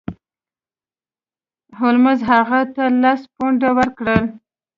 هولمز هغه ته لس پونډه ورکړل.